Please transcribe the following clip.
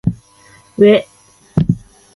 うぇ